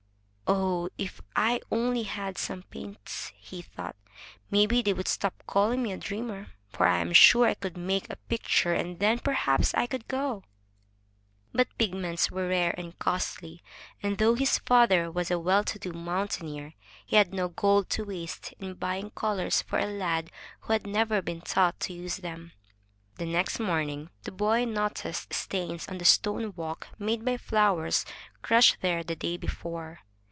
"Oh, if I only had some paints!" he thought. "Maybe they would stop calling me a dreamer, for I am sure I could make a picture, and then perhaps I could go." Biit pigments were rare and costly, and though his father was a well to do mountaineer, he had no gold to waste in buying colors for a lad who had never been taught to use them. The next morning, the boy noticed stains on the stone walk made by flowers crushed there the day before.